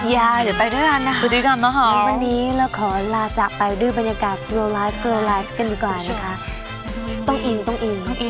อย่าเดี๋ยวไปด้วยกันนะคะวันนี้เราขอลาจากไปด้วยบรรยากาศโซโลไลฟ์โซโลไลฟ์กันดีกว่านะคะต้องอินต้องอิน